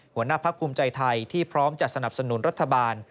หัวหน้าพักภูมิใจไทยที่พร้อมจะสนับสนุนรัฐบาล